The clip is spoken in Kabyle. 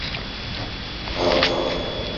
Ɣerqeɣ.